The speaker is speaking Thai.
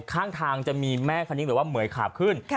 ข้างทางจะมีแม่คณิ้งหรือว่าเหมือยขาบขึ้น